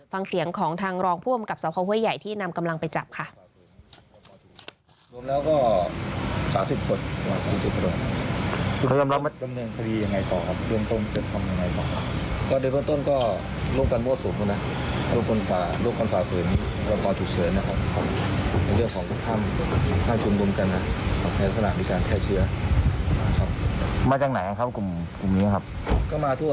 ฟังเสียงของทางรองพ่อบังกับสาวครอบครัวใหญ่ที่นำกำลังไปจับค่ะ